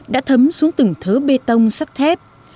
đã thấm xuống từng thớ bê tông sắt thép